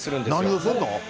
何するの？